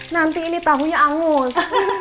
nanti ini tahunya angus